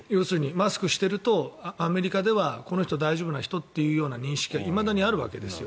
マスクをしているとアメリカではこの人大丈夫な人？っていう認識がいまだにあるわけですよ。